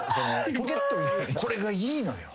これがいいのよ。